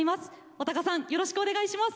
尾高さんよろしくお願いします。